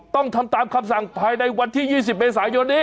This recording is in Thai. ต้องทำตามคำสั่งภายในวันที่๒๐เมษายนนี้